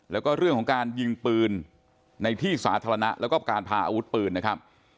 แล้วก็เรื่องของการยิงปืนในที่สาธารณะแล้วก็การพาอาวุธปืนนะครับ